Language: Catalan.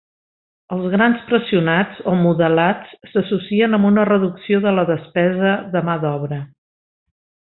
Els grans pressionats o modelats s"associen amb una reducció de la despesa de mà d"obra.